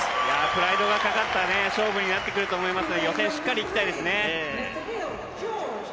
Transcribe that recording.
プライドのかかった勝負になってくると思いますので予選、しっかりいきたいですね。